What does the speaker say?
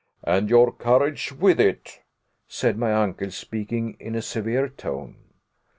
"And your courage with it," said my uncle, speaking in a severe tone.